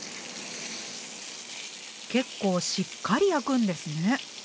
結構しっかり焼くんですね。